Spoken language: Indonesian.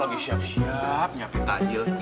lagi siap siap nyapi tajil